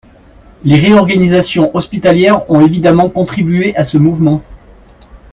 Les réorganisations hospitalières ont évidemment contribué à ce mouvement.